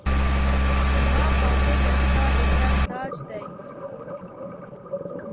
زما قاتل دی ستا د سر تاج دی